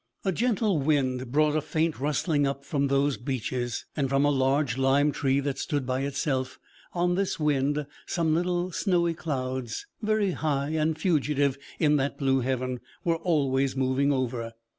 A gentle wind brought a faint rustling up from those beeches, and from a large lime tree that stood by itself; on this wind some little snowy clouds, very high and fugitive in that blue heaven, were always moving over.